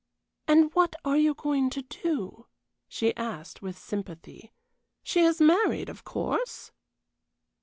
"And what are you going to do?" she asked, with sympathy, "She is married, of course?"